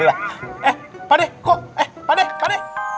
eh pak d kok eh pak d pak d